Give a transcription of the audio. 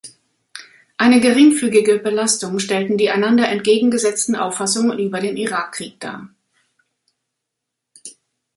Eine geringfügige Belastung stellten die einander entgegengesetzten Auffassungen über den Irakkrieg dar.